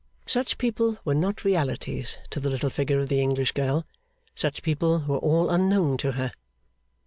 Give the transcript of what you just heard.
Such people were not realities to the little figure of the English girl; such people were all unknown to her.